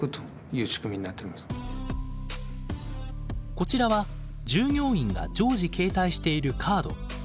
こちらは従業員が常時携帯しているカード。